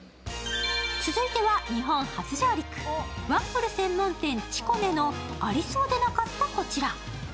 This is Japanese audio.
続いては、日本初上陸ワッフル専門店ＣＨＩＣＯＮＥのありそうでなかったこちら。